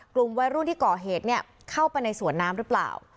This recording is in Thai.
กลุ่มวัยรุ่นที่ก่อเหตุเข้าไปในสวนน้ำหรือเปล่า